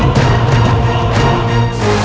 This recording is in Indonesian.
mereka mau balas